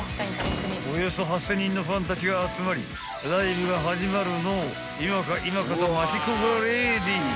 ［およそ８，０００人のファンたちが集まりライブが始まるのを今か今かと待ち焦がレディ］